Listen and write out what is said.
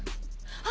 あ！